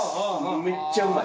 めっちゃうまい。